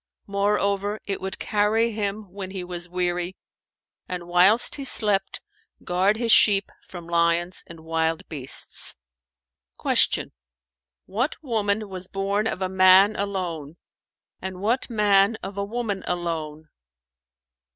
Moreover, it would carry him when he was weary, and whilst he slept, guard his sheep from lions and wild beasts." Q "What woman was born of a man alone and what man of a woman alone?"